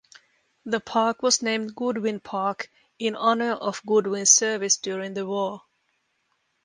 The park was named Goodwin Park in honor of Goodwin's service during the war.